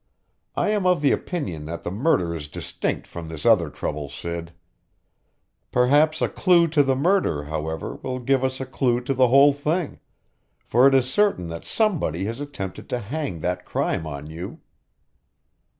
I am of the opinion that the murder is distinct from this other trouble, Sid. Perhaps a clew to the murder, however, will give us a clew to the whole thing, for it is certain that somebody has attempted to hang that crime on you."